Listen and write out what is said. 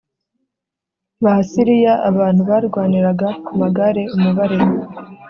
Basiriya abantu barwaniraga ku magare umubare